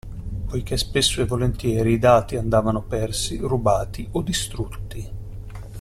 Poiché spesso e volentieri i dati andavano persi, rubati o distrutti.